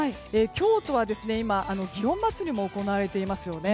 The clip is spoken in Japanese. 京都は今、祇園祭も行われていますよね。